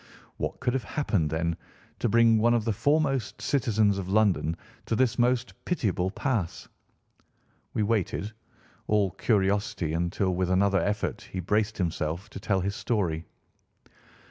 What could have happened, then, to bring one of the foremost citizens of London to this most pitiable pass? We waited, all curiosity, until with another effort he braced himself to tell his story.